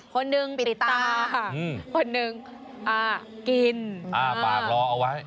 คนหนึ่งปิตาคนหนึ่งกินปากรอเอาไว้